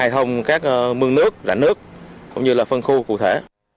trong các mương nước rảnh nước cũng như là phân khu cụ thể